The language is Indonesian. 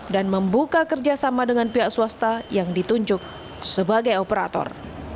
dan membuka kerjasama dengan pihak swasta yang ditunjuk sebagai operator